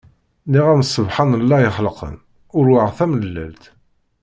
Nniɣ-am s ssebḥan llah ixelqen, urweɣ tamellalt!!